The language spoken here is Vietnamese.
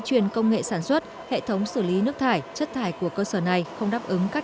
truyền công nghệ sản xuất hệ thống xử lý nước thải chất thải của cơ sở này không đáp ứng các